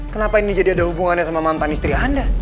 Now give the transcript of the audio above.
kenapa ini jadi ada hubungannya sama mantan istri anda